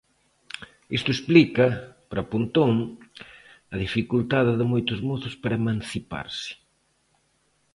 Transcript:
Isto explica, para Pontón, a dificultade de moitos mozos para emanciparse.